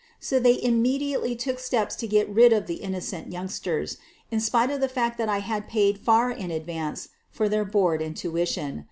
So they immediately took steps to get rid of the innocent youngsters, in spite of the fact that I had paid far in advance for their board and tuition.